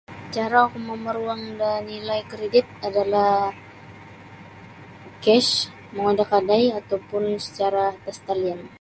Caraku mamaruang da nilai kredit adalah cash mongoi da kadai ataupun secara atas talian.